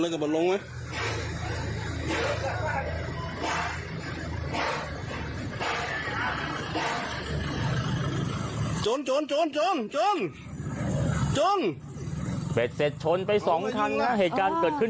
ข้างค้างจงช่วงจงจงจงเจ็บชนไป๒ครั้งเหตุการณ์เกิดขึ้น